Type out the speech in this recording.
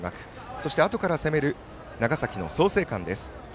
そして、あとから攻める長崎の創成館です。